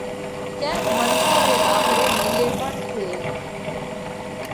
ڪينڪ منکون ري لاڪڙي نِيلي پڻ ٿي